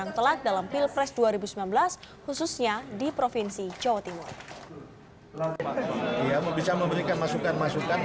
yang telat dalam pilpres dua ribu sembilan belas khususnya di provinsi jawa timur